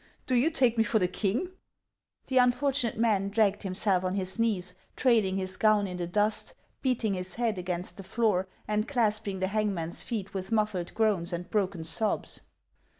Do you take me for the king?" The unfortunate man dragged himself on his knees, trailing his gown in the dust, beating his head against the floor, and clasping the hangman's feet with muffled groans and broken sobs.